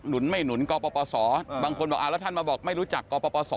ไม่หนุนกปศบางคนบอกแล้วท่านมาบอกไม่รู้จักกปศ